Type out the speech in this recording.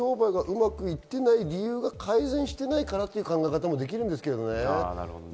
その理由が改善していないからという考え方もできるんですけどね。